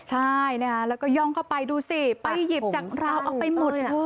ใช่นะคะแล้วก็ย่องเข้าไปดูสิไปหยิบจากราวเอาไปหมด